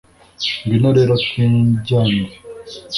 ngwino rero twijyanire